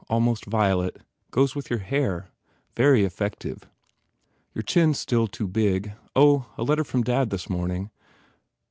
Almost violet. Goes with your hair. Very ef fective. ... Your chin s still too big. ... Oh, a letter from Dad this morning.